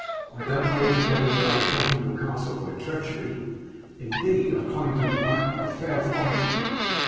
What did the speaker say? I don't know altogether that I have taken your castle by treachery, indeed I claim to have won it by fair fighting.